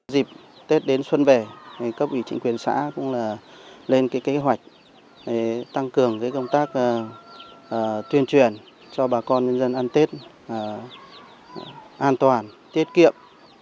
dịp tết đến xuân về cấp ủy chính quyền xã cũng lên kế hoạch tăng cường công tác tuyên truyền cho bà con nhân dân ăn tết an toàn tiết kiệm